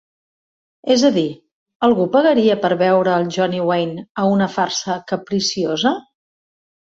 És a dir, algú pagaria per veure el John Wayne a una farsa capriciosa?